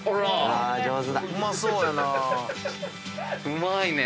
うまいね。